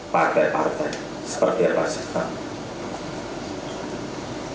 partai partai seperti apa sih pak